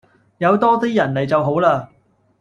有多啲人嚟就好嘞